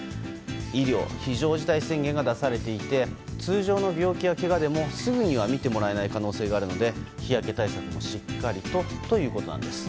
医療非常事態宣言が出されていて通常の病気や怪我でもすぐには診てもらえない可能性があるため日焼け対策もしっかりとということです。